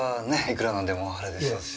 いくら何でもあれでしょうし。